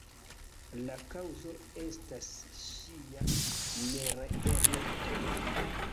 La kaŭzo estas ŝia nereelekto.